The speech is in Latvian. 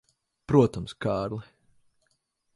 Protams, Kārli.